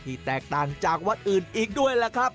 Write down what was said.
แตกต่างจากวัดอื่นอีกด้วยล่ะครับ